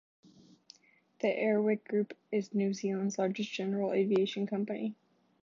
The Airwork Group is New Zealand's largest general aviation company.